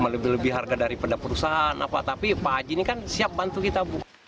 lebih lebih harga daripada perusahaan tapi pak haji ini kan siap bantu kita